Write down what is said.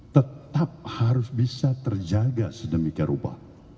tetap harus bisa terjaga sedemikian rupa